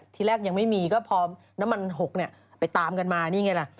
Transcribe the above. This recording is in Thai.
ที่แรกยังไม่มีก็พอน้ำมัน๖ไปตามกันมานี่ไงล่ะ